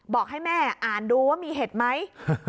บอกให้แม่อ่านดูว่ามีเห็ดไหม